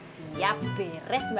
sampe tu di sana